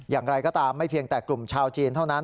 อย่างไรก็ตามไม่เพียงแต่กลุ่มชาวจีนเท่านั้น